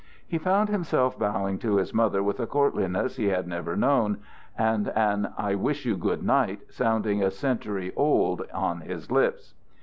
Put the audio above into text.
He found himself bowing to his mother with a courtliness he had never known, and an "I wish you a good night," sounding a century old on his lips.